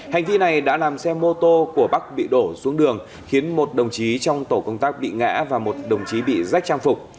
hành vi này đã làm xe mô tô của bắc bị đổ xuống đường khiến một đồng chí trong tổ công tác bị ngã và một đồng chí bị rách trang phục